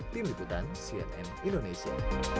tim liputan cnn indonesia